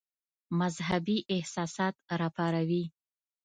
مذهبي احساسات را وپاروي.